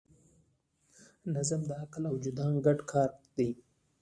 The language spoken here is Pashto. نظم د عقل او وجدان ګډ کار دی.